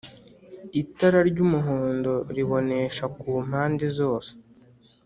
itara ry’umuhondo ribonesha ku mpande zose.